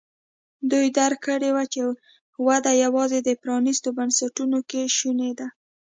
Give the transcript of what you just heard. دوی درک کړې وه چې وده یوازې د پرانیستو بنسټونو کې شونې ده.